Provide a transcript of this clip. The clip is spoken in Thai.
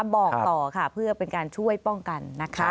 บอกต่อค่ะเพื่อเป็นการช่วยป้องกันนะคะ